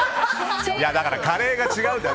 だからカレーが違うって！